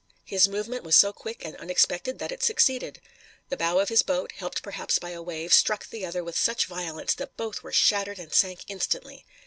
His movement was so quick and unexpected that it succeeded. The bow of his boat, helped perhaps by a wave, struck the other with such violence that both were shattered and sank instantly.